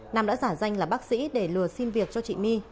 nam đã giả danh là bác sĩ để lừa xin việc cho chị my